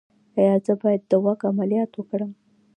ایا زه باید د غوږ عملیات وکړم؟